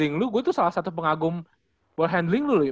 gue tuh salah satu pengagum ball handling lo ya